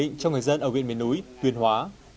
những người nuôi ong ở huyện tuyên hóa